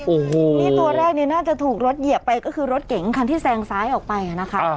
โอ้โหนี่ตัวแรกเนี่ยน่าจะถูกรถเหยียบไปก็คือรถเก๋งคันที่แซงซ้ายออกไปนะคะ